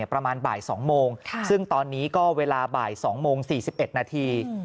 ประมาณบ่าย๒โมงซึ่งตอนนี้ก็เวลาบ่าย๒โมง๔๑นาที